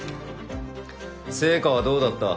成果はどうだった？